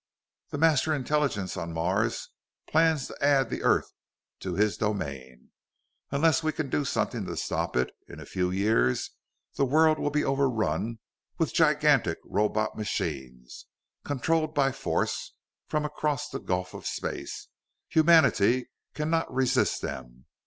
"The Master Intelligence of Mars plans to add the Earth to his domain. Unless we can do something to stop it, in a few years the world will be overrun with gigantic robot machines, controlled by force from across the gulf of space. Humanity cannot resist them.